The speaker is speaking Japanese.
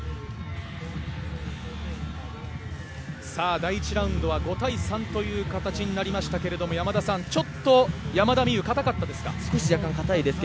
第１ラウンドは５対３という形になりましたが山田さん、ちょっと山田美諭固かったですか？